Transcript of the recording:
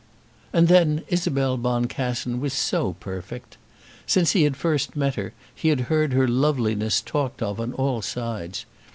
And then Isabel Boncassen was so perfect! Since he had first met her he had heard her loveliness talked of on all sides.